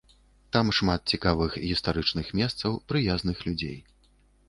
Там шмат цікавых гістарычных месцаў, прыязных людзей.